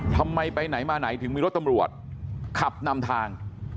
ทำไมไปไหนมาไหนถึงมีรถตำรวจขับนำทาง